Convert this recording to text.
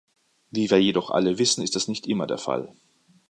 Wie wir jedoch alle wissen, ist das nicht immer der Fall.